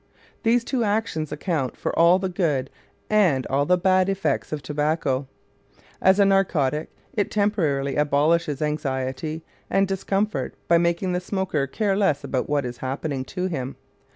These two actions account for all the good and all the bad effects of tobacco. As a narcotic, it temporarily abolishes anxiety and discomfort by making the smoker care less about what is happening to him.